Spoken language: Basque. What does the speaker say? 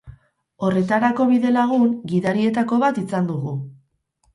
Horretarako bidelagun, gidarietako bat izan dugu.